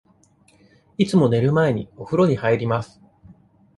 いつも寝る前に、おふろに入ります。